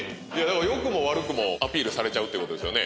良くも悪くもアピールされちゃうってことですよね